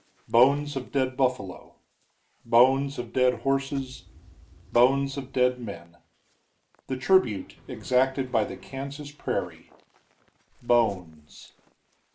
Bones of dead buffalo, bones of dead horses, bones of dead men. The tribute exacted by the Kansas prairie: bones.